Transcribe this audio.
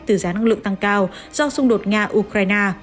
từ giá năng lượng tăng cao do xung đột nga ukraine